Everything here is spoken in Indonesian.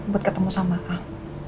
buat ketemu sama al